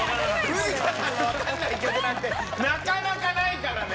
藤田さんがわかんない曲なんてなかなかないからね